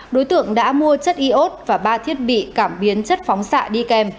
đối tượng đã mua chất iốt và ba thiết bị cảm biến chất phóng xạ đi kèm